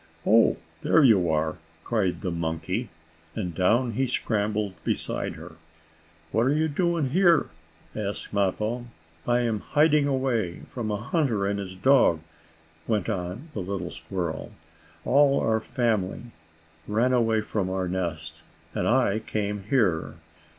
"Oh, there you are!" cried the monkey, and down he scrambled beside her. "What are you doing here?" asked Mappo. "I am hiding away from a hunter and his dog," went on the little squirrel. "All our family ran away from our nest, and I came here.